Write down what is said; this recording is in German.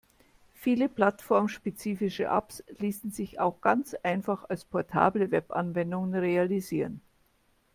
Viele plattformspezifische Apps ließen sich auch ganz einfach als portable Webanwendung realisieren.